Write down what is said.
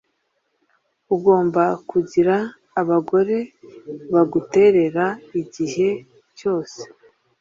Ugomba kugira abagore baguterera igihe cyose